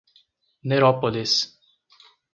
Nerópolis